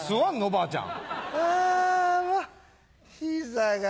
ばあちゃん。